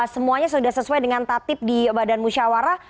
semuanya sudah sesuai dengan tatib di badan musyawarah